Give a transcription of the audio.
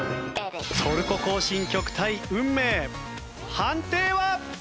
『トルコ行進曲』対『運命』判定は？